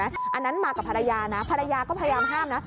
อันนั้นมากับภรรยานะภรรยาก็พยายามห้ามนะ